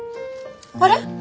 あれ？